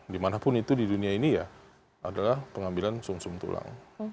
dimanapun itu di dunia ini ya adalah pengambilan sum sum tulang